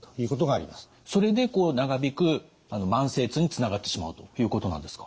それでこう長引く慢性痛につながってしまうということなんですか。